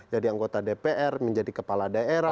jadi anggota dpr menjadi kepala daerah